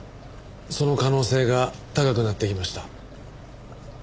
その可能性が高くなってきました。